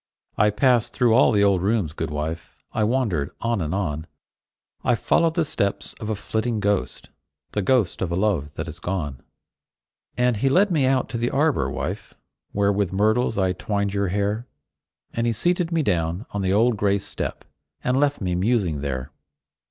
I passed through all the old rooms, good wife; I wandered on and on; I followed the steps of a flitting ghost, The ghost of a love that is gone. And he led me out to the arbor, wife, Where with myrtles I twined your hair; And he seated me down on the old stone step, And left me musing there.